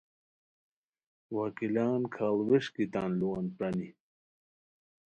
وکیلان کھاڑ ووݰکی تان لُووان پرانی